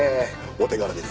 お手柄です。